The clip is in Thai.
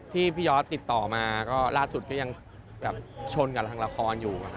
พี่ยอดติดต่อมาก็ล่าสุดก็ยังแบบชนกับทางละครอยู่